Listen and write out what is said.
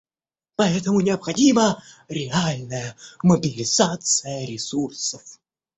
Поэтому необходима реальная мобилизация ресурсов.